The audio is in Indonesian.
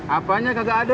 apanya kakak ada